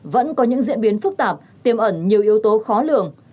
vẫn có những diễn biến phức tạp tiêm ẩn nhiều yếu tố khó lường